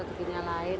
rezeki yang lain